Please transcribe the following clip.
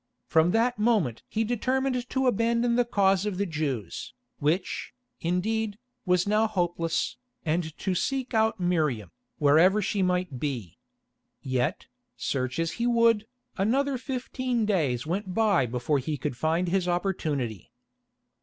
From that moment he determined to abandon the cause of the Jews, which, indeed, was now hopeless, and to seek out Miriam, wherever she might be. Yet, search as he would, another fifteen days went by before he could find his opportunity.